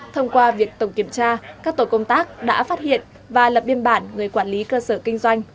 thông qua việc tổng kiểm tra các tổ công tác đã phát hiện và lập biên bản người quản lý cơ sở kinh doanh